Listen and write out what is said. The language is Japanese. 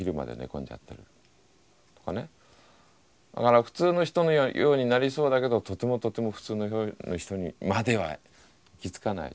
だから普通の人のようになりそうだけどとてもとても普通のような人にまでは行き着かない。